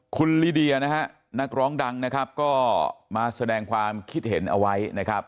คุณลิเดียนะฮะนักร้องดังนะครับก็มาแสดงความคิดเห็นเอาไว้นะครับ